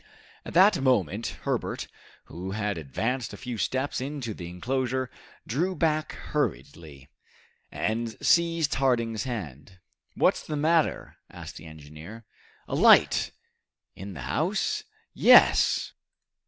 At that moment, Herbert, who had advanced a few steps into the enclosure, drew back hurriedly, and seized Harding's hand. "What's the matter?" asked the engineer. "A light!" "In the house?" "Yes!"